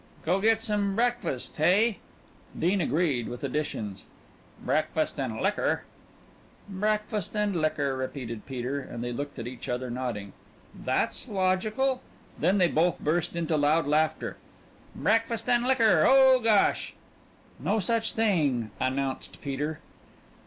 "Go get some breakfast, hey?" Dean agreed with additions. "Breakfast and liquor." "Breakfast and liquor," repeated Peter, and they looked at each other, nodding. "That's logical." Then they both burst into loud laughter. "Breakfast and liquor! Oh, gosh!" "No such thing," announced Peter.